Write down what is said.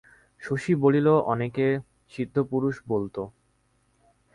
শশী বলিল, অনেকে সিদ্ধপুরুষ বলত।